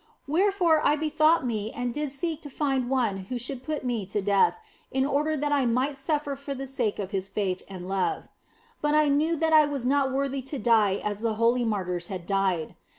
Wherefore I be thought me and did seek to find one who should put me to death, in order that I might suffer for the sake of His faith OF FOLIGNO 9 and love. But I knew that I was not worthy to die as the holy martyrs had died.